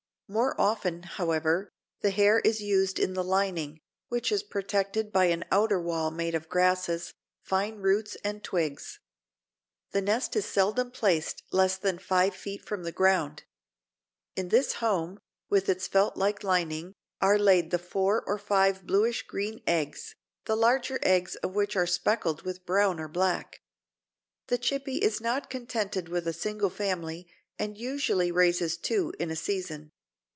More often, however, the hair is used in the lining, which is protected by an outer wall made of grasses, fine roots and twigs. The nest is seldom placed less than five feet from the ground. In this home, with its feltlike lining, are laid the four or five bluish green eggs, the larger ends of which are speckled with brown or black. The Chippy is not contented with a single family and usually raises two in a season.